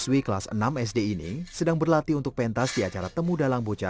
siswi kelas enam sd ini sedang berlatih untuk pentas di acara temu dalang bocah dua ribu tujuh belas